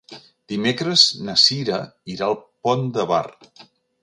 Dimecres na Cira irà al Pont de Bar.